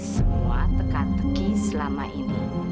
semua tekan teki selama ini